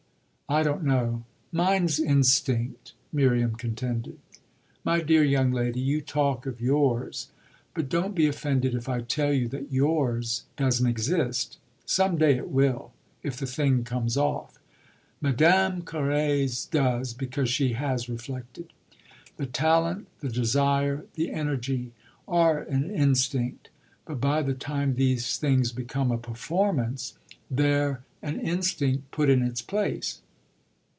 "I don't know mine's instinct," Miriam contended. "My dear young lady, you talk of 'yours'; but don't be offended if I tell you that yours doesn't exist. Some day it will if the thing comes off. Madame Carré's does, because she has reflected. The talent, the desire, the energy are an instinct; but by the time these things become a performance they're an instinct put in its place."